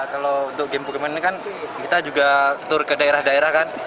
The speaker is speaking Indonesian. kalau untuk game pokemon ini kan kita juga tur ke daerah daerah kan